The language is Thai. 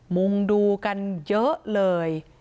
มุงดูกันเยอะเลย